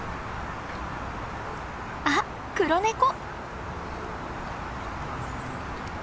あっ黒ネコ！